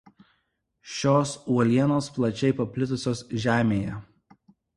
Šios uolienos plačiai paplitusios Žemėje.